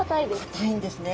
かたいんですね。